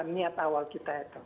niat awal kita itu